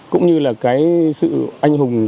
cũng như là cái sự anh hùng